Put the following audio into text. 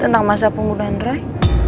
tentang masa penggunaan roy